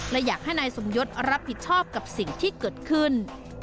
และอยากให้นายสมยศรับผิดชอบกับสิ่งที่เกิดขึ้น